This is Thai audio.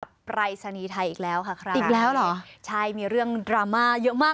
ปรายศนีย์ไทยอีกแล้วค่ะครับอีกแล้วเหรอใช่มีเรื่องดราม่าเยอะมาก